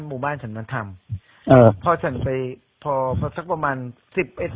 หมู่บ้านฉันมาทำอ่าพอฉันไปพอพอสักประมาณสิบเอ็ด